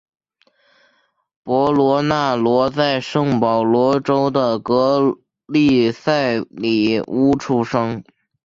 博索纳罗在圣保罗州的格利塞里乌出生。